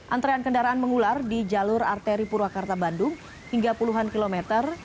antrean kendaraan mengular di jalur arteri purwakarta bandung hingga puluhan kilometer